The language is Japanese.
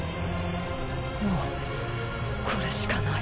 もうこれしか無い。